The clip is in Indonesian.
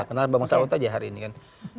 kena bang sa'ud aja hari ini kan